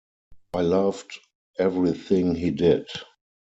I loved everything he did.